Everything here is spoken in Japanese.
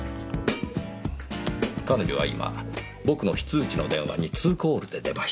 彼女は今僕の非通知の電話にツーコールで出ました。